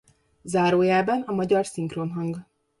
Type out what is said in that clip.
Zárójelben a magyar szinkronhang